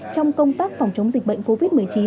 trong công tác phòng chống dịch bệnh covid một mươi chín